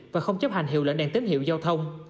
và không chấp hành hiệu lệnh đèn tín hiệu giao thông